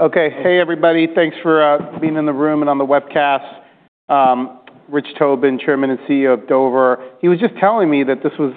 Okay. Hey, everybody. Thanks for being in the room and on the webcast. Rich Tobin, Chairman and CEO of Dover, he was just telling me that this was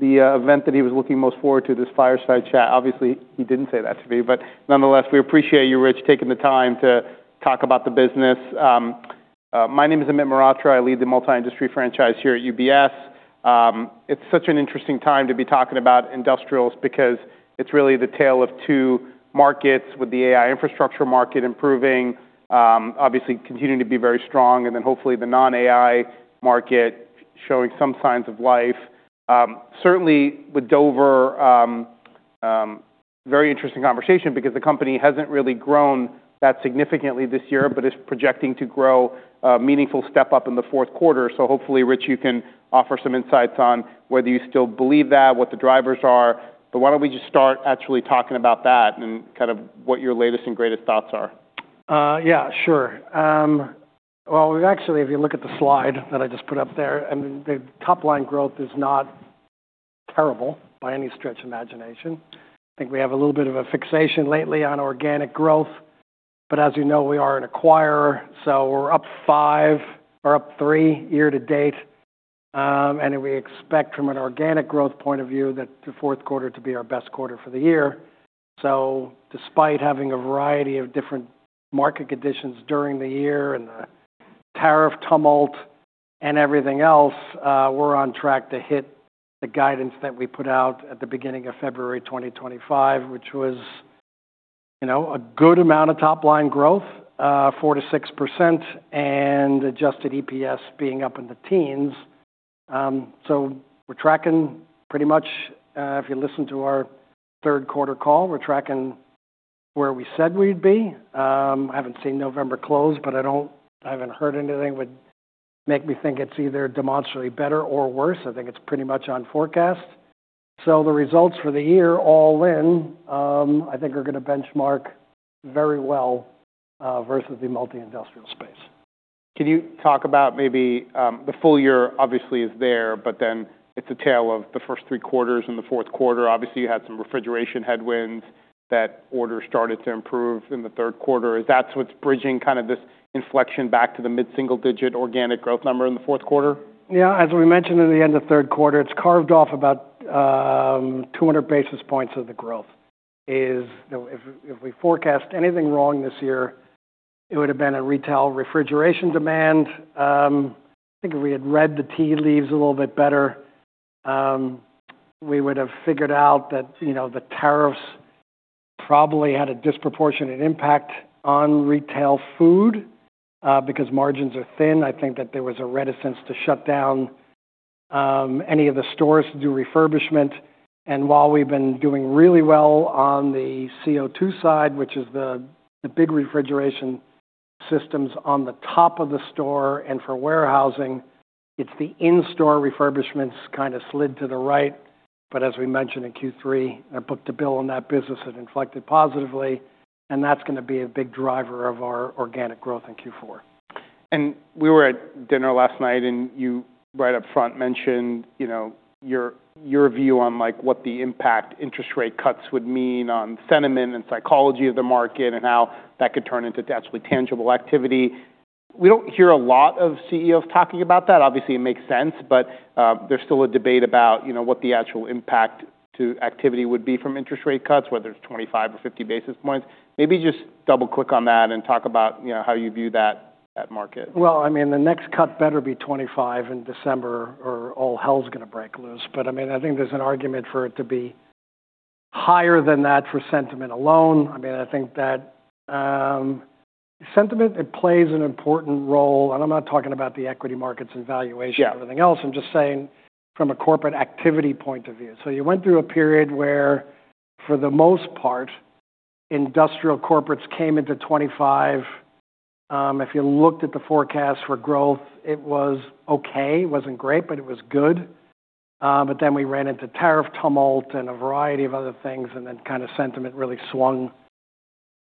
the event that he was looking most forward to, this fireside chat. Obviously, he didn't say that to me, but nonetheless, we appreciate you, Rich, taking the time to talk about the business. My name is Amit Mehrotra. I lead the Multi-Industry Franchise here at UBS. It's such an interesting time to be talking about industrials because it's really the tale of two markets, with the AI infrastructure market improving, obviously continuing to be very strong, and then hopefully the non-AI market showing some signs of life. Certainly, with Dover, very interesting conversation because the company hasn't really grown that significantly this year, but is projecting to grow a meaningful step up in the fourth quarter. Hopefully, Rich, you can offer some insights on whether you still believe that, what the drivers are. Why don't we just start actually talking about that and kind of what your latest and greatest thoughts are? Yeah, sure. Actually, if you look at the slide that I just put up there, I mean, the top-line growth is not terrible by any stretch of imagination. I think we have a little bit of a fixation lately on organic growth, but as you know, we are an acquirer, so we're up five or up three year to date. I expect from an organic growth point of view that the fourth quarter to be our best quarter for the year. Despite having a variety of different market conditions during the year and the tariff tumult and everything else, we're on track to hit the guidance that we put out at the beginning of February 2025, which was a good amount of top-line growth, 4%-6%, and adjusted EPS being up in the teens. We're tracking pretty much, if you listen to our third quarter call, we're tracking where we said we'd be. I haven't seen November close, but I haven't heard anything would make me think it's either demonstrably better or worse. I think it's pretty much on forecast. The results for the year all in, I think, are going to benchmark very well versus the multi-industrial space. Can you talk about maybe the full year obviously is there, but then it's a tale of the first three quarters and the fourth quarter. Obviously, you had some refrigeration headwinds that order started to improve in the third quarter. Is that what's bridging kind of this inflection back to the mid-single-digit organic growth number in the fourth quarter? Yeah. As we mentioned in the end of third quarter, it carved off about 200 basis points of the growth. If we forecast anything wrong this year, it would have been retail refrigeration demand. I think if we had read the tea leaves a little bit better, we would have figured out that the tariffs probably had a disproportionate impact on retail food because margins are thin. I think that there was a reticence to shut down any of the stores to do refurbishment. While we've been doing really well on the CO2 side, which is the big refrigeration systems on the top of the store and for warehousing, it's the in-store refurbishments kind of slid to the right. As we mentioned in Q3, I booked a bill on that business. It inflected positively, and that's going to be a big driver of our organic growth in Q4. We were at dinner last night, and you right up front mentioned your view on what the impact interest rate cuts would mean on sentiment and psychology of the market and how that could turn into actually tangible activity. We do not hear a lot of CEOs talking about that. Obviously, it makes sense, but there is still a debate about what the actual impact to activity would be from interest rate cuts, whether it is 25 or 50 basis points. Maybe just double-click on that and talk about how you view that market. I mean, the next cut better be 25 in December or all hell's going to break loose. I think there's an argument for it to be higher than that for sentiment alone. I think that sentiment plays an important role. I'm not talking about the equity markets and valuation and everything else. I'm just saying from a corporate activity point of view. You went through a period where, for the most part, industrial corporates came into 25. If you looked at the forecast for growth, it was okay. It wasn't great, but it was good. Then we ran into tariff tumult and a variety of other things, and kind of sentiment really swung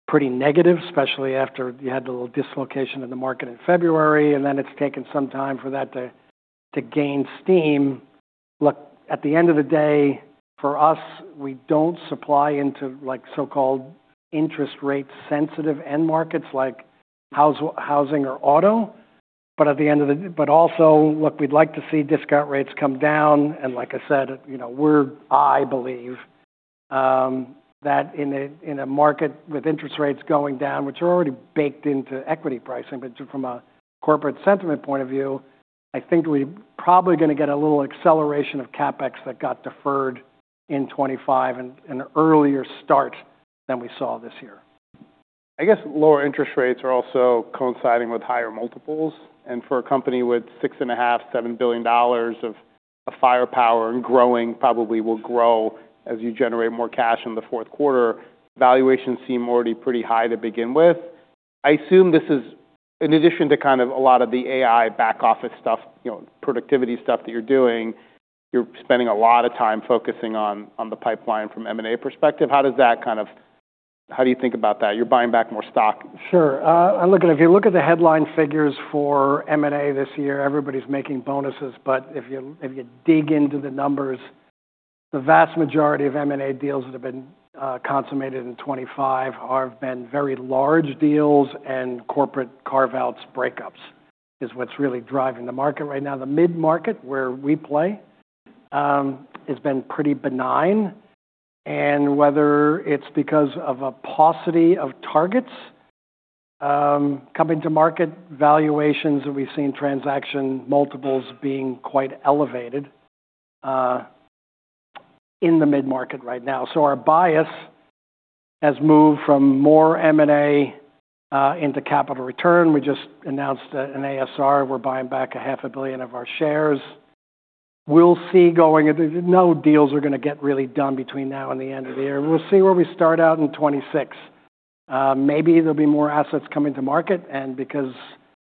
pretty negative, especially after you had the little dislocation in the market in February. It's taken some time for that to gain steam. Look, at the end of the day, for us, we do not supply into so-called interest rate-sensitive end markets like housing or auto. At the end of the day, also, look, we would like to see discount rates come down. Like I said, I believe that in a market with interest rates going down, which are already baked into equity pricing, from a corporate sentiment point of view, I think we are probably going to get a little acceleration of CapEx that got deferred in 2025 and an earlier start than we saw this year. I guess lower interest rates are also coinciding with higher multiples. For a company with $6.5 billion-$7 billion of firepower and growing, probably will grow as you generate more cash in the fourth quarter, valuations seem already pretty high to begin with. I assume this is in addition to kind of a lot of the AI back office stuff, productivity stuff that you're doing, you're spending a lot of time focusing on the pipeline from an M&A perspective. How does that kind of, how do you think about that? You're buying back more stock. Sure. Look, if you look at the headline figures for M&A this year, everybody's making bonuses. If you dig into the numbers, the vast majority of M&A deals that have been consummated in 2025 have been very large deals, and corporate carve-outs, breakups is what's really driving the market right now. The mid-market where we play has been pretty benign. Whether it's because of a paucity of targets coming to market, valuations that we've seen, transaction multiples being quite elevated in the mid-market right now. Our bias has moved from more M&A into capital return. We just announced an ASR. We're buying back $500,000,000 of our shares. We'll see going, no deals are going to get really done between now and the end of the year. We'll see where we start out in 2026. Maybe there'll be more assets coming to market.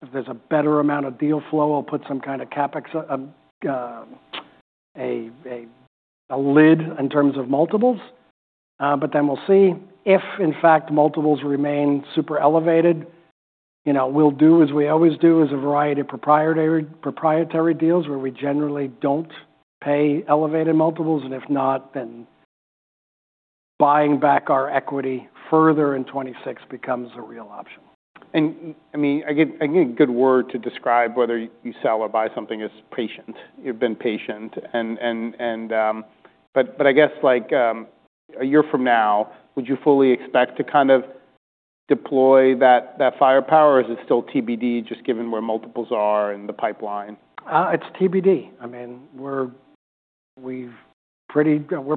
If there's a better amount of deal flow, we'll put some kind of CapEx, a lid in terms of multiples. We'll see if, in fact, multiples remain super elevated. We'll do as we always do, a variety of proprietary deals where we generally don't pay elevated multiples. If not, then buying back our equity further in 2026 becomes a real option. I mean, I get a good word to describe whether you sell or buy something as patient. You've been patient. I guess a year from now, would you fully expect to kind of deploy that firepower? Is it still TBD, just given where multiples are and the pipeline? It's TBD. I mean, we're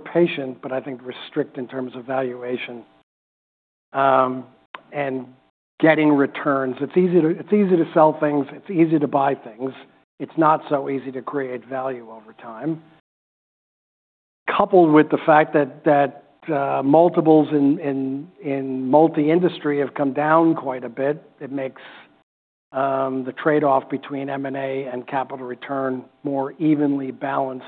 patient, but I think we're strict in terms of valuation and getting returns. It's easy to sell things. It's easy to buy things. It's not so easy to create value over time. Coupled with the fact that multiples in multi-industry have come down quite a bit, it makes the trade-off between M&A and capital return more evenly balanced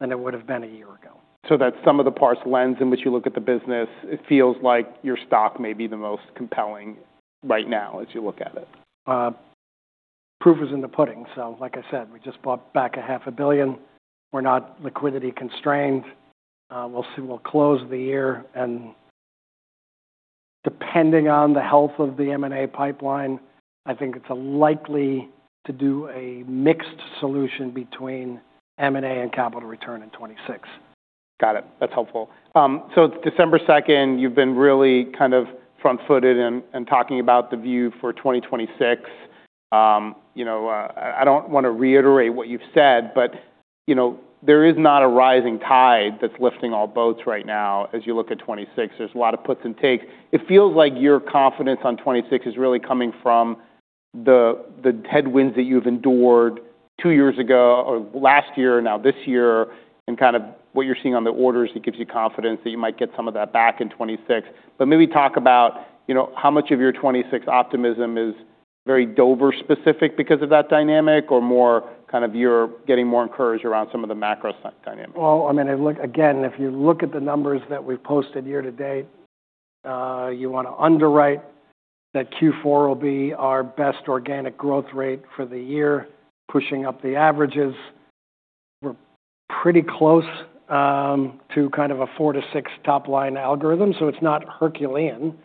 than it would have been a year ago. That some of the parts lens in which you look at the business, it feels like your stock may be the most compelling right now as you look at it. Proof is in the pudding. Like I said, we just bought back $500,000,000. We're not liquidity constrained. We'll close the year. Depending on the health of the M&A pipeline, I think it's likely to do a mixed solution between M&A and capital return in 2026. Got it. That's helpful. It is December 2nd. You've been really kind of front-footed and talking about the view for 2026. I do not want to reiterate what you've said, but there is not a rising tide that's lifting all boats right now as you look at 2026. There are a lot of puts and takes. It feels like your confidence on 2026 is really coming from the headwinds that you've endured two years ago, last year, now this year, and kind of what you're seeing on the orders that gives you confidence that you might get some of that back in 2026. Maybe talk about how much of your 2026 optimism is very Dover-specific because of that dynamic or more kind of you're getting more encouraged around some of the macro dynamic. I mean, again, if you look at the numbers that we've posted year to date, you want to underwrite that Q4 will be our best organic growth rate for the year, pushing up the averages. We're pretty close to kind of a 4%-6% top-line algorithm. It is not herculean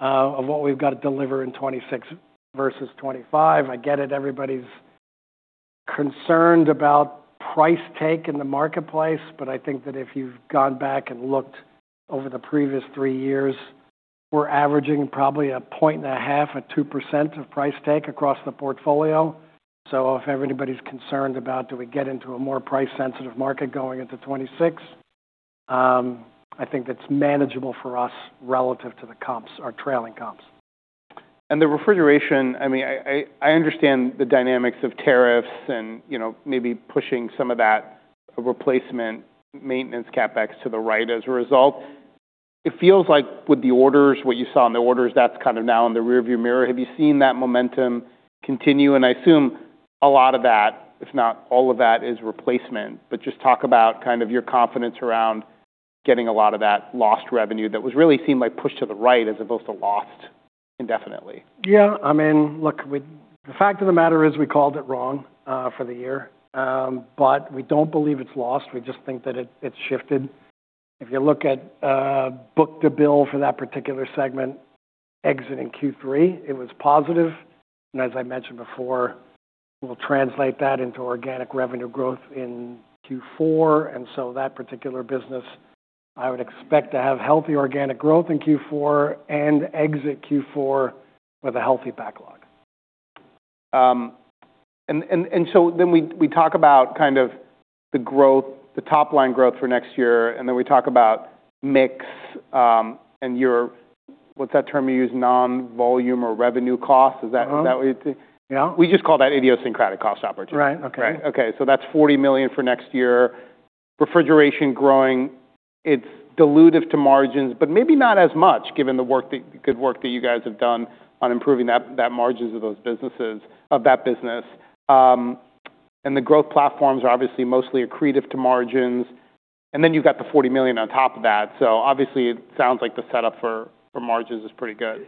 of what we've got to deliver in 2026 versus 2025. I get it. Everybody's concerned about price take in the marketplace, but I think that if you've gone back and looked over the previous three years, we're averaging probably a point and a half, a 2% of price take across the portfolio. If everybody's concerned about, do we get into a more price-sensitive market going into 2026, I think that's manageable for us relative to the comps, our trailing comps. The refrigeration, I mean, I understand the dynamics of tariffs and maybe pushing some of that replacement maintenance CapEx to the right as a result. It feels like with the orders, what you saw in the orders, that's kind of now in the rearview mirror. Have you seen that momentum continue? I assume a lot of that, if not all of that, is replacement. Just talk about kind of your confidence around getting a lot of that lost revenue that was really seemed like pushed to the right as opposed to lost indefinitely. Yeah. I mean, look, the fact of the matter is we called it wrong for the year, but we don't believe it's lost. We just think that it's shifted. If you look at book-to-bill for that particular segment exiting Q3, it was positive. As I mentioned before, we'll translate that into organic revenue growth in Q4. That particular business, I would expect to have healthy organic growth in Q4 and exit Q4 with a healthy backlog. We talk about kind of the growth, the top-line growth for next year, and then we talk about mix and your, what's that term you use, non-volume or revenue cost? Is that what you? Yeah. We just call that idiosyncratic cost operative. Right. Okay. Right? Okay. So that's $40 million for next year. Refrigeration growing, it's dilutive to margins, but maybe not as much given the good work that you guys have done on improving that margins of those businesses, of that business. The growth platforms are obviously mostly accretive to margins. You have the $40 million on top of that. Obviously, it sounds like the setup for margins is pretty good.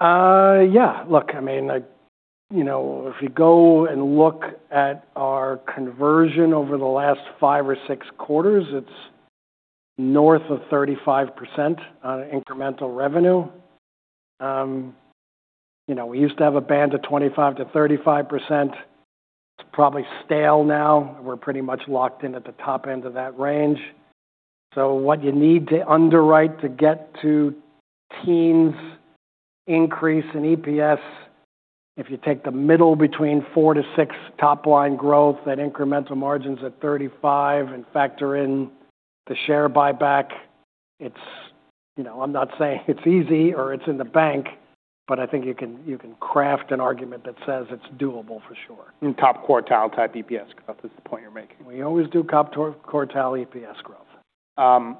Yeah. Look, I mean, if you go and look at our conversion over the last five or six quarters, it's north of 35% on incremental revenue. We used to have a band of 25%-35%. It's probably stale now. We're pretty much locked in at the top end of that range. What you need to underwrite to get to teens increase in EPS, if you take the middle between 4%-6% top-line growth, that incremental margin is at 35% and factor in the share buyback, it's, I'm not saying it's easy or it's in the bank, but I think you can craft an argument that says it's doable for sure. Top quartile type EPS growth is the point you're making. We always do top quartile EPS growth.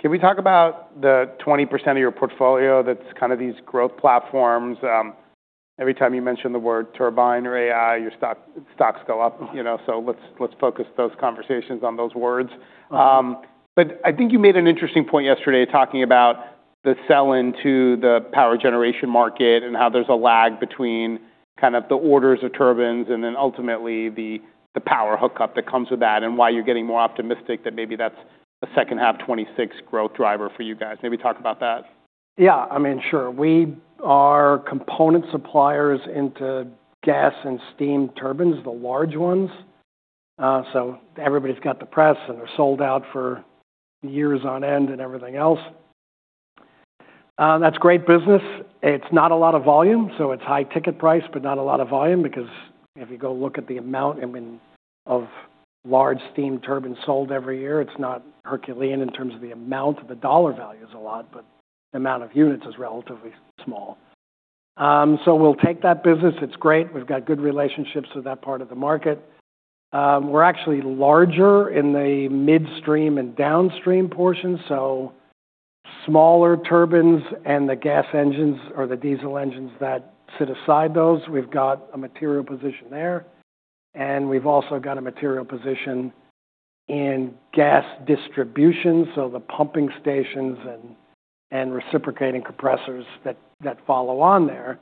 Can we talk about the 20% of your portfolio that's kind of these growth platforms? Every time you mention the word turbine or AI, your stocks go up. Let's focus those conversations on those words. I think you made an interesting point yesterday talking about the sell-in to the power generation market and how there's a lag between kind of the orders of turbines and then ultimately the power hookup that comes with that and why you're getting more optimistic that maybe that's a second half 2026 growth driver for you guys. Maybe talk about that. Yeah. I mean, sure. We are component suppliers into gas and steam turbines, the large ones. Everybody's got the press and they're sold out for years on end and everything else. That's great business. It's not a lot of volume. It's high ticket price, but not a lot of volume because if you go look at the amount of large steam turbines sold every year, it's not herculean in terms of the amount. The dollar value is a lot, but the amount of units is relatively small. We'll take that business. It's great. We've got good relationships with that part of the market. We're actually larger in the midstream and downstream portion. Smaller turbines and the gas engines or the diesel engines that sit aside those, we've got a material position there. We've also got a material position in gas distribution. The pumping stations and reciprocating compressors that follow on there.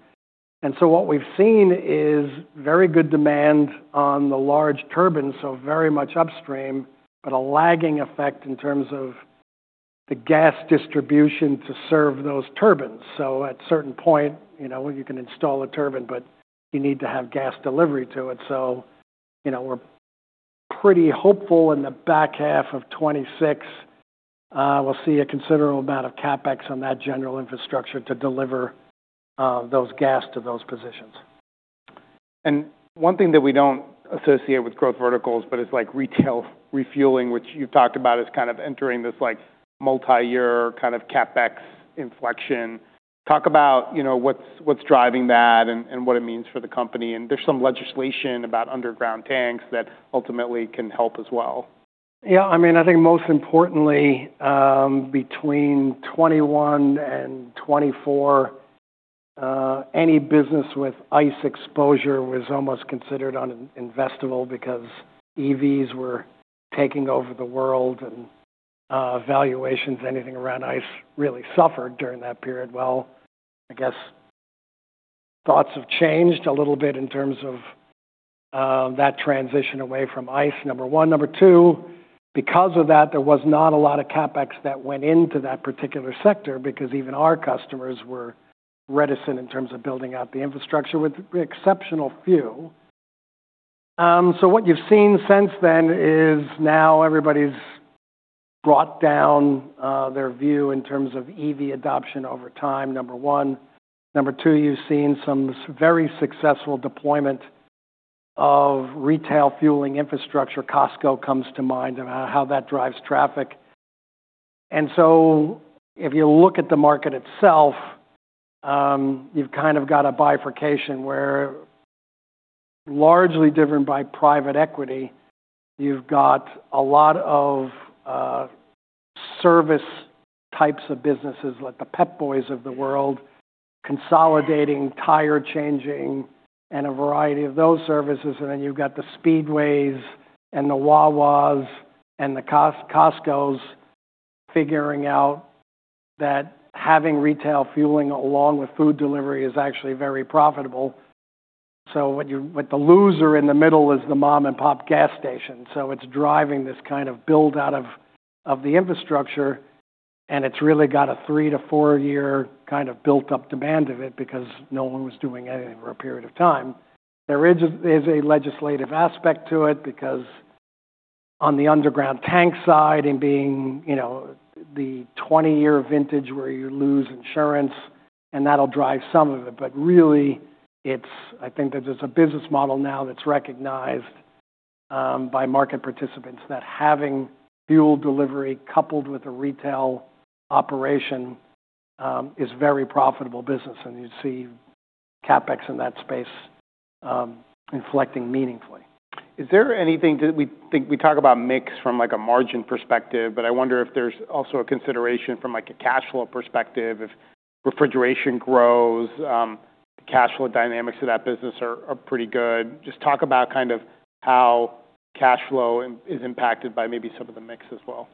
What we've seen is very good demand on the large turbines, so very much upstream, but a lagging effect in terms of the gas distribution to serve those turbines. At a certain point, you can install a turbine, but you need to have gas delivery to it. We're pretty hopeful in the back half of 2026, we'll see a considerable amount of CapEx on that general infrastructure to deliver those gas to those positions. One thing that we do not associate with growth verticals, but it is like retail refueling, which you have talked about as kind of entering this multi-year kind of CapEx inflection. Talk about what is driving that and what it means for the company. There is some legislation about underground tanks that ultimately can help as well. Yeah. I mean, I think most importantly, between 2021 and 2024, any business with ICE exposure was almost considered uninvestable because EVs were taking over the world. And valuations, anything around ICE really suffered during that period. Well, I guess thoughts have changed a little bit in terms of that transition away from ICE, number one. Number two, because of that, there was not a lot of CapEx that went into that particular sector because even our customers were reticent in terms of building out the infrastructure with the exceptional few. So what you've seen since then is now everybody's brought down their view in terms of EV adoption over time, number one. Number two, you've seen some very successful deployment of retail fueling infrastructure. Costco comes to mind and how that drives traffic. If you look at the market itself, you've kind of got a bifurcation where largely driven by private equity. You've got a lot of service types of businesses, like the Pep Boys of the world, consolidating tire changing and a variety of those services. You've got the Speedways and the Wawas and the Costcos figuring out that having retail fueling along with food delivery is actually very profitable. The loser in the middle is the mom-and-pop gas station. It's driving this kind of build-out of the infrastructure. It's really got a three-four-year kind of built-up demand of it because no one was doing anything for a period of time. There is a legislative aspect to it because on the underground tank side and being the 20-year vintage where you lose insurance, and that'll drive some of it. I think that there's a business model now that's recognized by market participants that having fuel delivery coupled with a retail operation is a very profitable business. You'd see CapEx in that space inflecting meaningfully. Is there anything that we talk about mix from a margin perspective, but I wonder if there's also a consideration from a cash flow perspective if refrigeration grows, the cash flow dynamics of that business are pretty good. Just talk about kind of how cash flow is impacted by maybe some of the mix as well.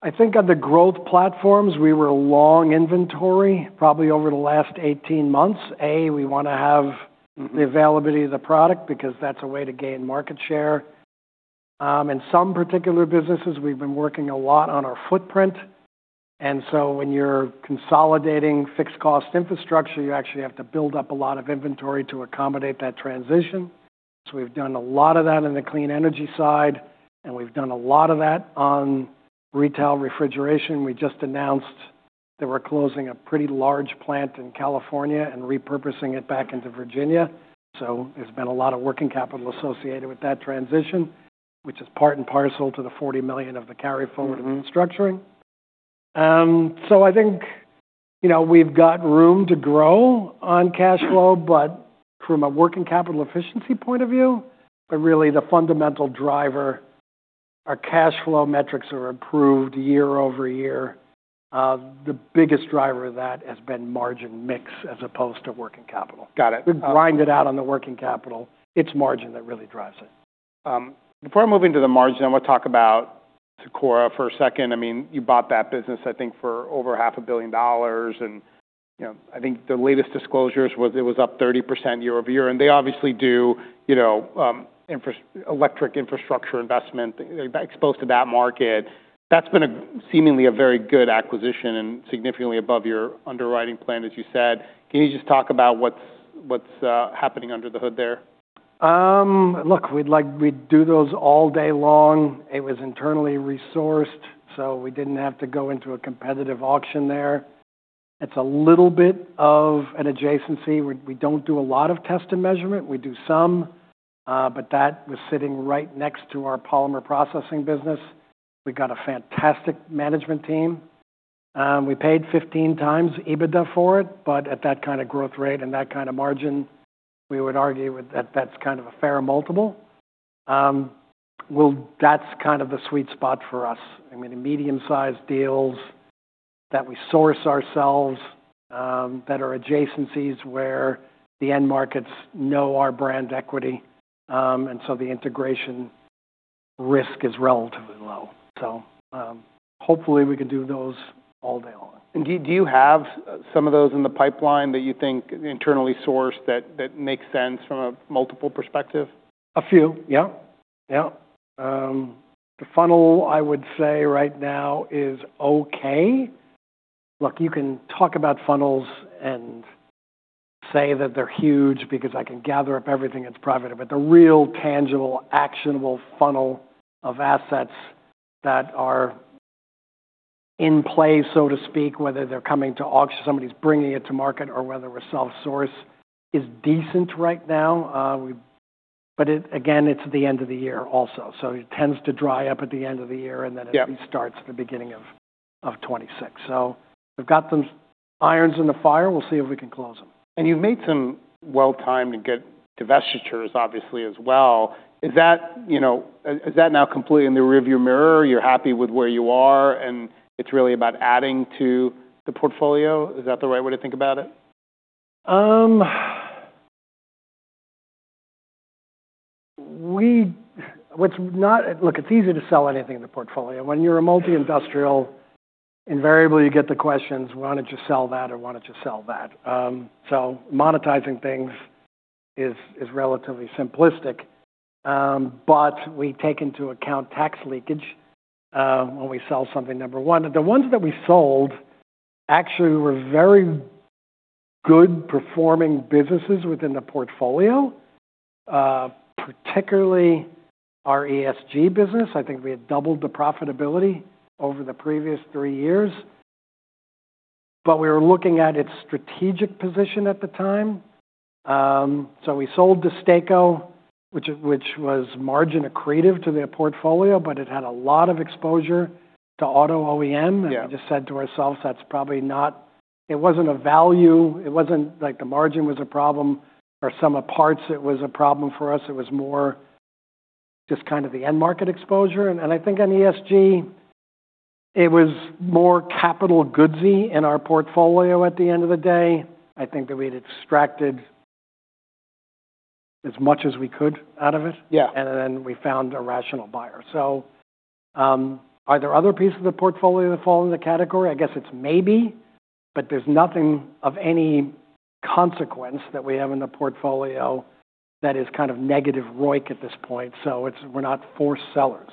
I think on the growth platforms, we were long inventory probably over the last 18 months. A, we want to have the availability of the product because that's a way to gain market share. In some particular businesses, we've been working a lot on our footprint. When you're consolidating fixed-cost infrastructure, you actually have to build up a lot of inventory to accommodate that transition. We've done a lot of that on the clean energy side, and we've done a lot of that on retail refrigeration. We just announced that we're closing a pretty large plant in California and repurposing it back into Virginia. There's been a lot of working capital associated with that transition, which is part and parcel to the $40 million of the carry-forward and restructuring. I think we've got room to grow on cash flow, but from a working capital efficiency point of view, but really the fundamental driver, our cash flow metrics are improved year-over-year. The biggest driver of that has been margin mix as opposed to working capital. Got it. We grind it out on the working capital. It's margin that really drives it. Before I move into the margin, I want to talk about FW Murphy Production Controls for a second. I mean, you bought that business, I think, for over $500,000,000. I think the latest disclosure was it was up 30% year-over-year. They obviously do electric infrastructure investment exposed to that market. That's been seemingly a very good acquisition and significantly above your underwriting plan, as you said. Can you just talk about what's happening under the hood there? Look, we do those all day long. It was internally resourced, so we did not have to go into a competitive auction there. It is a little bit of an adjacency. We do not do a lot of test and measurement. We do some, but that was sitting right next to our polymer processing business. We have got a fantastic management team. We paid 15 times EBITDA for it, but at that kind of growth rate and that kind of margin, we would argue that that is kind of a fair multiple. That is kind of the sweet spot for us. I mean, the medium-sized deals that we source ourselves that are adjacencies where the end markets know our brand equity. The integration risk is relatively low. Hopefully we can do those all day long. Do you have some of those in the pipeline that you think internally sourced that makes sense from a multiple perspective? A few. Yeah. Yeah. The funnel, I would say right now is okay. Look, you can talk about funnels and say that they're huge because I can gather up everything that's private. The real tangible, actionable funnel of assets that are in play, so to speak, whether they're coming to auction, somebody's bringing it to market, or whether we're self-sourced is decent right now. Again, it is at the end of the year also. It tends to dry up at the end of the year and then it restarts at the beginning of 2026. We have some irons in the fire. We'll see if we can close them. You've made some well-timed divestitures, obviously, as well. Is that now completely in the rearview mirror? You're happy with where you are and it's really about adding to the portfolio? Is that the right way to think about it? Look, it's easy to sell anything in the portfolio. When you're a multi-industrial, invariably you get the questions, "Why don't you sell that or why don't you sell that?" Monetizing things is relatively simplistic, but we take into account tax leakage when we sell something, number one. The ones that we sold actually were very good performing businesses within the portfolio, particularly our ESG business. I think we had doubled the profitability over the previous three years, but we were looking at its strategic position at the time. We sold Destaco, which was margin accretive to their portfolio, but it had a lot of exposure to auto OEM. We just said to ourselves, "That's probably not, it wasn't a value. It wasn't like the margin was a problem or some parts it was a problem for us. It was more just kind of the end market exposure. I think on ESG, it was more capital goodsy in our portfolio at the end of the day. I think that we had extracted as much as we could out of it. We found a rational buyer. Are there other pieces of the portfolio that fall in the category? I guess it's maybe, but there's nothing of any consequence that we have in the portfolio that is kind of negative ROIC at this point. We're not forced sellers.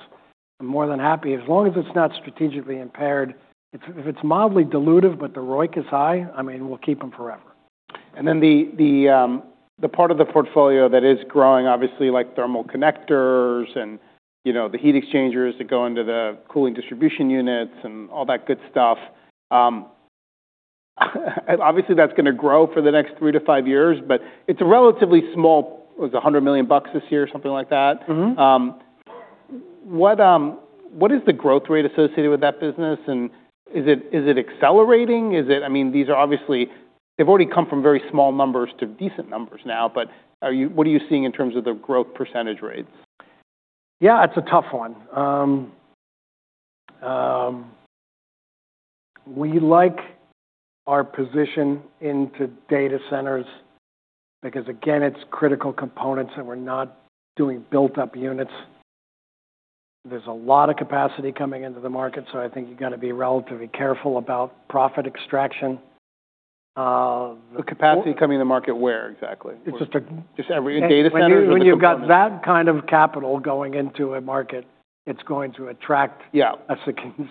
I'm more than happy as long as it's not strategically impaired. If it's mildly dilutive, but the ROIC is high, I mean, we'll keep them forever. The part of the portfolio that is growing, obviously like thermal connectors and the heat exchangers that go into the cooling distribution units and all that good stuff, obviously that is going to grow for the next three-five years, but it is a relatively small, it was $100 million this year, something like that. What is the growth rate associated with that business? Is it accelerating? I mean, these are obviously, they have already come from very small numbers to decent numbers now, but what are you seeing in terms of the growth % rates? Yeah, it's a tough one. We like our position into data centers because, again, it's critical components that we're not doing built-up units. There's a lot of capacity coming into the market. I think you've got to be relatively careful about profit extraction. The capacity coming into the market where exactly? It's just a. Just every data center? When you've got that kind of capital going into a market, it's going to attract a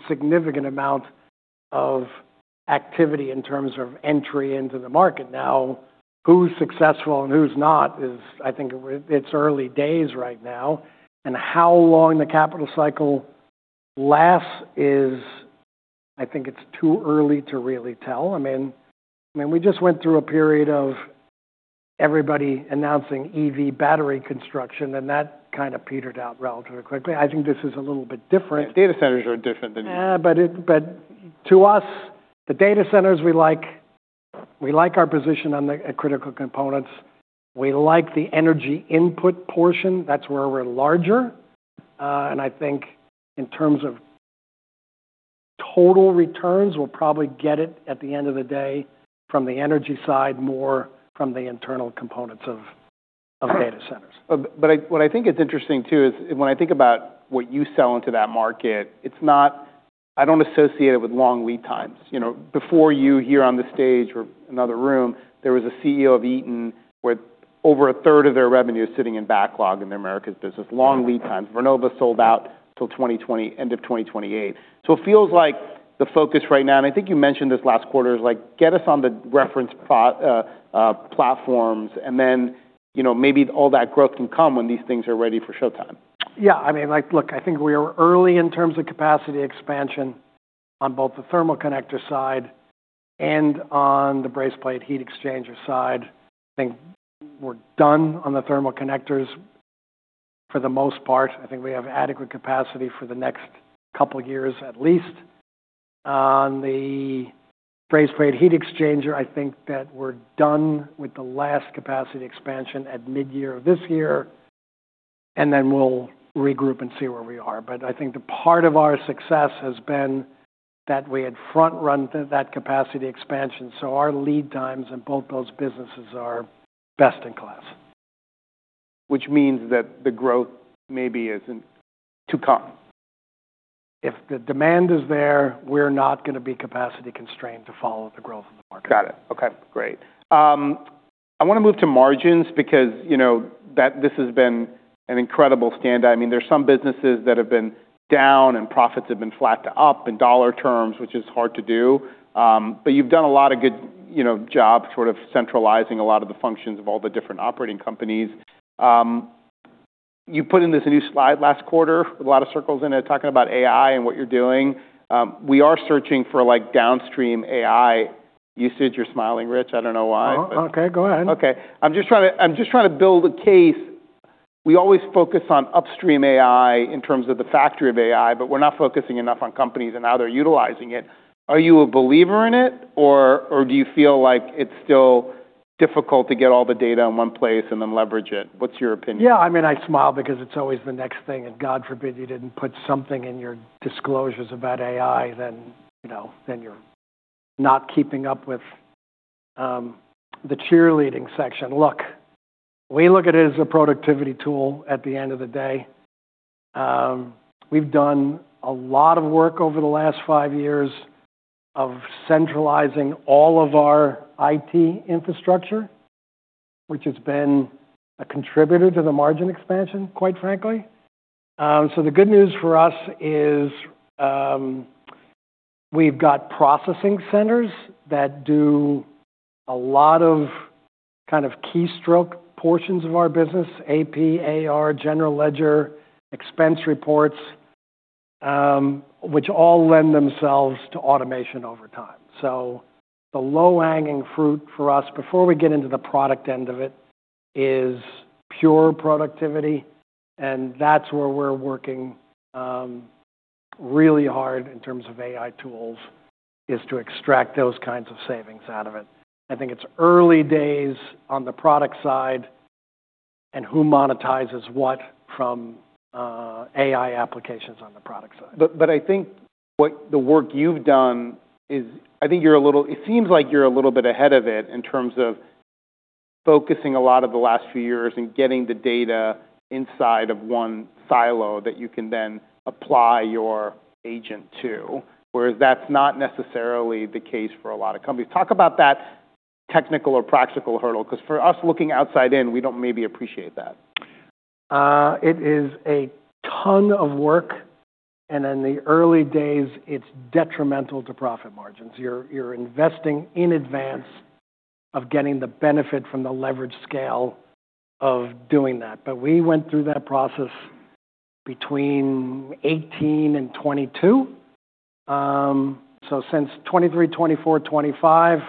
significant amount of activity in terms of entry into the market. Now, who's successful and who's not is, I think it's early days right now. How long the capital cycle lasts is, I think it's too early to really tell. I mean, we just went through a period of everybody announcing EV battery construction, and that kind of petered out relatively quickly. I think this is a little bit different. Data centers are different than you. Yeah, to us, the data centers, we like our position on the critical components. We like the energy input portion. That's where we're larger. I think in terms of total returns, we'll probably get it at the end of the day from the energy side, more from the internal components of data centers. What I think is interesting too is when I think about what you sell into that market, I don't associate it with long lead times. Before you here on the stage or another room, there was a CEO of Eaton where over a third of their revenue is sitting in backlog in their Americas business. Long lead times. Vernova sold out till end of 2028. It feels like the focus right now, and I think you mentioned this last quarter, is get us on the reference platforms and then maybe all that growth can come when these things are ready for showtime. Yeah. I mean, look, I think we are early in terms of capacity expansion on both the thermal connector side and on the brazed plate heat exchanger side. I think we're done on the thermal connectors for the most part. I think we have adequate capacity for the next couple of years at least. On the brazed plate heat exchanger, I think that we're done with the last capacity expansion at mid-year of this year, and then we'll regroup and see where we are. I think the part of our success has been that we had front-run that capacity expansion. Our lead times in both those businesses are best in class. Which means that the growth maybe isn't too common. If the demand is there, we're not going to be capacity constrained to follow the growth of the market. Got it. Okay. Great. I want to move to margins because this has been an incredible stand-in. I mean, there's some businesses that have been down and profits have been flat to up in dollar terms, which is hard to do. But you've done a lot of good job sort of centralizing a lot of the functions of all the different operating companies. You put in this new slide last quarter with a lot of circles in it talking about AI and what you're doing. We are searching for downstream AI usage. You're smiling, Rich. I don't know why. Okay. Go ahead. Okay. I'm just trying to build a case. We always focus on upstream AI in terms of the factory of AI, but we're not focusing enough on companies and how they're utilizing it. Are you a believer in it, or do you feel like it's still difficult to get all the data in one place and then leverage it? What's your opinion? Yeah. I mean, I smile because it's always the next thing. God forbid you didn't put something in your disclosures about AI, then you're not keeping up with the cheerleading section. Look, we look at it as a productivity tool at the end of the day. We've done a lot of work over the last five years of centralizing all of our IT infrastructure, which has been a contributor to the margin expansion, quite frankly. The good news for us is we've got processing centers that do a lot of kind of keystroke portions of our business: AP, AR, general ledger, expense reports, which all lend themselves to automation over time. The low-hanging fruit for us before we get into the product end of it is pure productivity. That's where we're working really hard in terms of AI tools is to extract those kinds of savings out of it. I think it's early days on the product side and who monetizes what from AI applications on the product side. I think what the work you've done is I think you're a little, it seems like you're a little bit ahead of it in terms of focusing a lot of the last few years and getting the data inside of one silo that you can then apply your agent to, whereas that's not necessarily the case for a lot of companies. Talk about that technical or practical hurdle because for us looking outside in, we don't maybe appreciate that. It is a ton of work. In the early days, it's detrimental to profit margins. You're investing in advance of getting the benefit from the leverage scale of doing that. We went through that process between 2018 and 2022. Since 2023, 2024, 2025,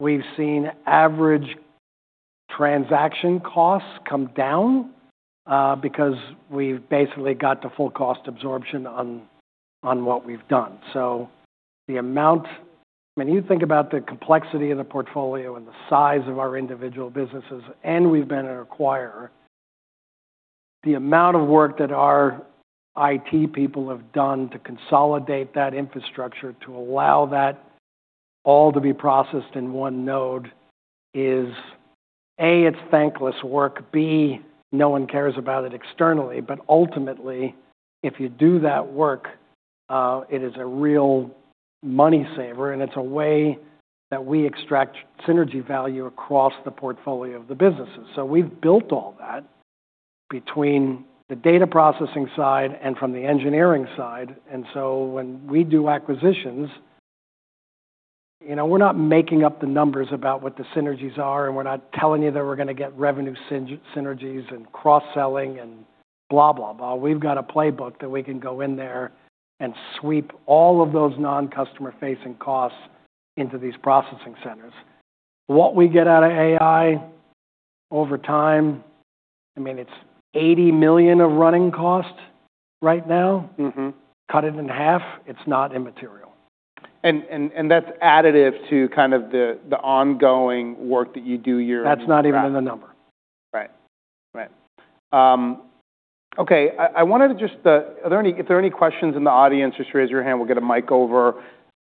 we've seen average transaction costs come down because we've basically got to full cost absorption on what we've done. The amount, I mean, you think about the complexity of the portfolio and the size of our individual businesses, and we've been an acquirer. The amount of work that our IT people have done to consolidate that infrastructure to allow that all to be processed in one node is, A, it's thankless work. B, no one cares about it externally. Ultimately, if you do that work, it is a real money saver, and it's a way that we extract synergy value across the portfolio of the businesses. We have built all that between the data processing side and from the engineering side. When we do acquisitions, we're not making up the numbers about what the synergies are, and we're not telling you that we're going to get revenue synergies and cross-selling and blah, blah, blah. We have a playbook that we can go in there and sweep all of those non-customer-facing costs into these processing centers. What we get out of AI over time, I mean, it's $80 million of running cost right now. Cut it in 1/2, it's not immaterial. That's additive to kind of the ongoing work that you do yearly. That's not even in the number. Right. Right. Okay. I wanted to just, are there any questions in the audience? Just raise your hand. We'll get a mic over.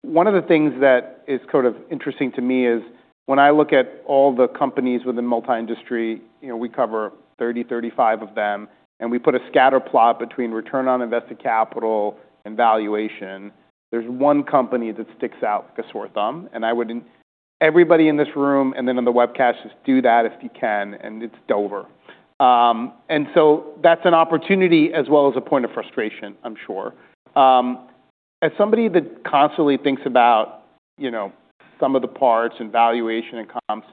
One of the things that is sort of interesting to me is when I look at all the companies within multi-industry, we cover 30, 35 of them, and we put a scatter plot between return on invested capital and valuation. There's one company that sticks out like a sore thumb. I would, everybody in this room and then on the webcast, just do that if you can, and it's Dover. That's an opportunity as well as a point of frustration, I'm sure. As somebody that constantly thinks about some of the parts and valuation and comps,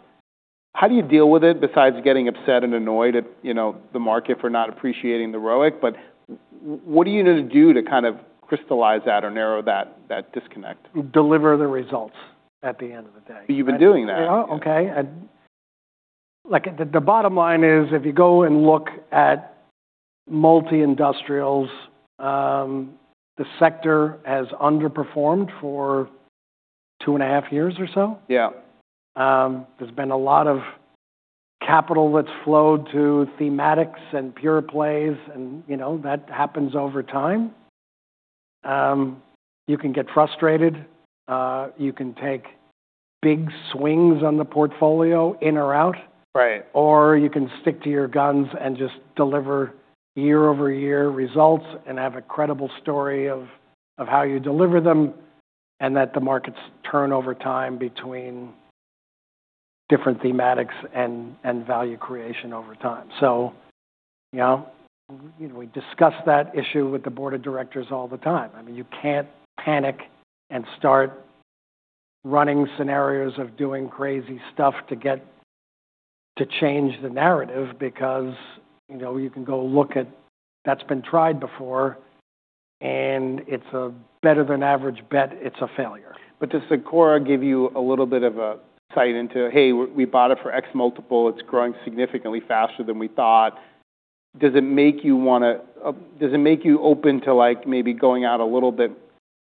how do you deal with it besides getting upset and annoyed at the market for not appreciating the ROIC? What do you need to do to kind of crystallize that or narrow that disconnect? Deliver the results at the end of the day. You've been doing that. Okay. The bottom line is if you go and look at multi-industrials, the sector has underperformed for 2.5 years or so. There's been a lot of capital that's flowed to thematics and pure plays, and that happens over time. You can get frustrated. You can take big swings on the portfolio in or out, or you can stick to your guns and just deliver year-over-year results and have a credible story of how you deliver them and that the markets turn over time between different thematics and value creation over time. We discuss that issue with the board of directors all the time. I mean, you can't panic and start running scenarios of doing crazy stuff to change the narrative because you can go look at that's been tried before, and it's a better-than-average bet. It's a failure. Give you a little bit of a sight into, "Hey, we bought it for X multiple. It's growing significantly faster than we thought"? Does it make you want to, does it make you open to maybe going out a little bit,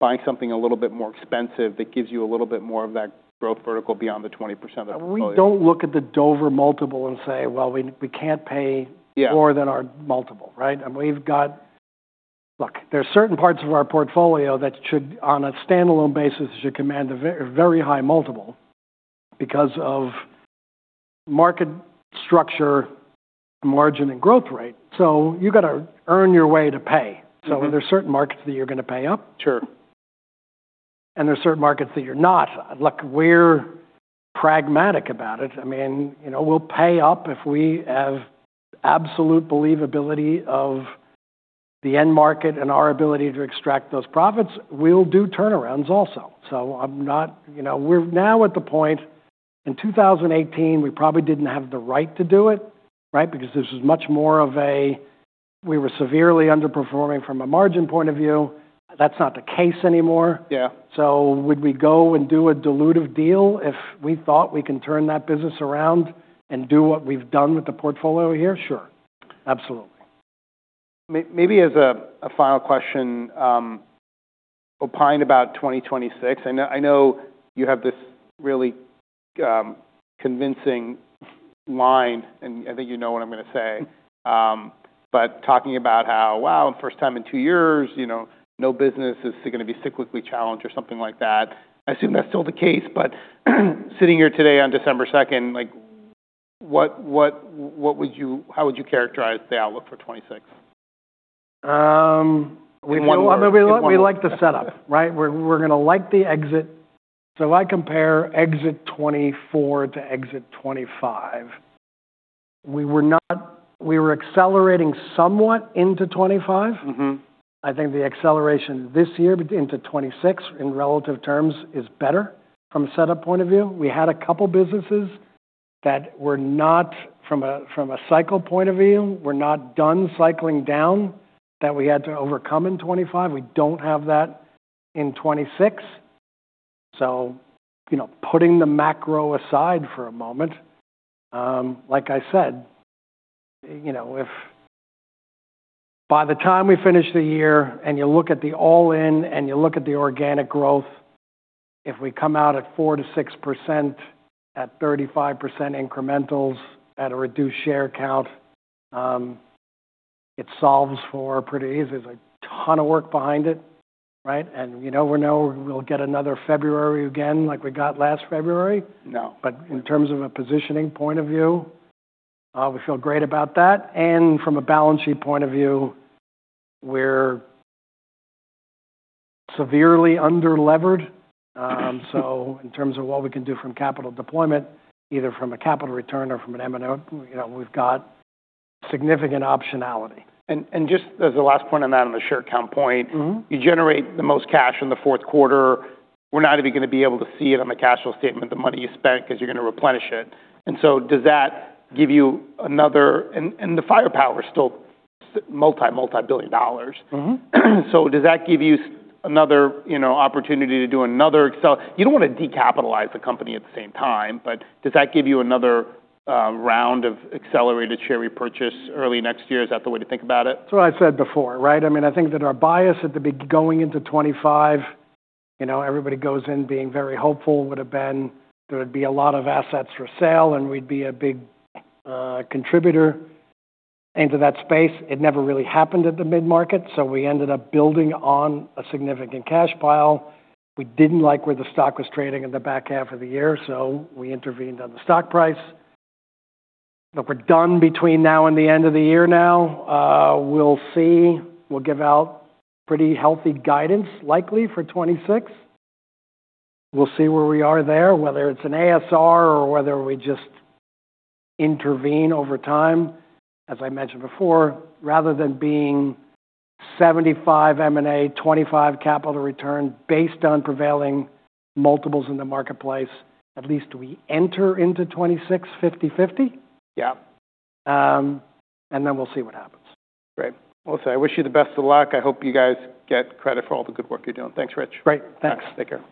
buying something a little bit more expensive that gives you a little bit more of that growth vertical beyond the 20% of the portfolio? We don't look at the Dover multiple and say, "Well, we can't pay more than our multiple." Right? And we've got, look, there are certain parts of our portfolio that should, on a standalone basis, should command a very high multiple because of market structure, margin, and growth rate. So you've got to earn your way to pay. So there are certain markets that you're going to pay up. And there are certain markets that you're not. Look, we're pragmatic about it. I mean, we'll pay up if we have absolute believability of the end market and our ability to extract those profits. We'll do turnarounds also. So I'm not, we're now at the point in 2018, we probably didn't have the right to do it, right, because this was much more of a, we were severely underperforming from a margin point of view. That's not the case anymore. Would we go and do a dilutive deal if we thought we can turn that business around and do what we've done with the portfolio here? Sure. Absolutely. Maybe as a final question, opine about 2026. I know you have this really convincing line, and I think you know what I'm going to say. Talking about how, "Wow, first time in two years, no business is going to be cyclically challenged or something like that." I assume that's still the case. Sitting here today on December 2nd, how would you characterize the outlook for 2026? We like the setup, right? We're going to like the exit. I compare exit 2024-exit 2025. We were accelerating somewhat into 2025. I think the acceleration this year into 2026 in relative terms is better from a setup point of view. We had a couple of businesses that were not, from a cycle point of view, not done cycling down that we had to overcome in 2025. We do not have that in 2026. Putting the macro aside for a moment, like I said, if by the time we finish the year and you look at the all-in and you look at the organic growth, if we come out at 4%-6% at 35% incrementals at a reduced share count, it solves for pretty easy. There is a ton of work behind it, right? We know we'll get another February again like we got last February. In terms of a positioning point of view, we feel great about that. From a balance sheet point of view, we're severely under-levered. In terms of what we can do from capital deployment, either from a capital return or from an M&O, we've got significant optionality. Just as a last point on that, on the share count point, you generate the most cash in the fourth quarter. We're not even going to be able to see it on the cash flow statement, the money you spent, because you're going to replenish it. Does that give you another, and the firepower is still multi, multi-billion dollars. Does that give you another opportunity to do another? You don't want to decapitalize the company at the same time, but does that give you another round of accelerated share repurchase early next year? Is that the way to think about it? That's what I've said before, right? I mean, I think that our bias at the going into 2025, everybody goes in being very hopeful would have been there would be a lot of assets for sale and we'd be a big contributor into that space. It never really happened at the mid-market. So we ended up building on a significant cash pile. We didn't like where the stock was trading in the back 1/2 of the year, so we intervened on the stock price. We're done between now and the end of the year now. We'll see. We'll give out pretty healthy guidance likely for 2026. We'll see where we are there, whether it's an ASR or whether we just intervene over time. As I mentioned before, rather than being 75 M&A, 25 capital return based on prevailing multiples in the marketplace, at least we enter into 2026 50/50. We'll see what happens. Great. I wish you the best of luck. I hope you guys get credit for all the good work you're doing. Thanks, Rich. Great. Thanks. Take care.